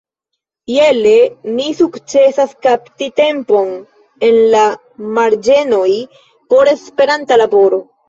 Iele mi sukcesas kapti tempon en la marĝenoj por Esperanta laboro.